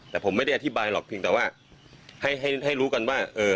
แต่ผมไม่ได้อธิบายหรอกเพียงแต่ว่าให้รู้กันว่า